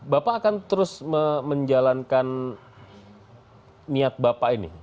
bapak akan terus menjalankan niat bapak ini